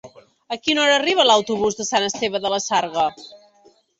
A quina hora arriba l'autobús de Sant Esteve de la Sarga?